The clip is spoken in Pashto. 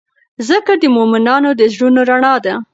ذکر د مؤمنانو د زړونو رڼا ده.